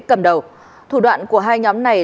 cầm đầu thủ đoạn của hai nhóm này